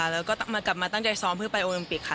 แล้วก็กลับมาตั้งใจซ้อมเพื่อไปโอลิมปิกค่ะ